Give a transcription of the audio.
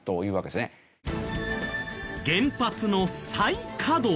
原発の再稼働。